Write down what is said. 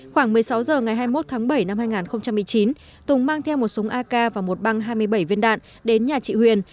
khoảng một mươi sáu h ngày hai mươi một tháng bảy năm hai nghìn một mươi chín tùng mang theo một súng ak và một băng hai mươi bảy viên đạn đến nhà chị huyền